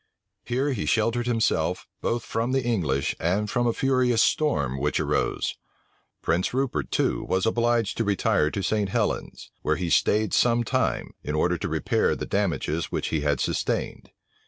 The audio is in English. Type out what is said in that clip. Here he sheltered himself, both from the English, and from a furious storm which arose. Prince Rupert, too, was obliged to retire into St. Helens; where he staid some time, in order to repair the damages which he had sustained.